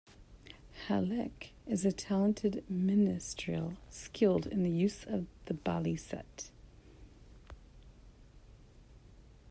Halleck is a talented minstrel skilled in the use of the baliset.